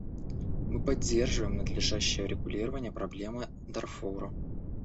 Мы поддерживаем надлежащее урегулирование проблемы Дарфура.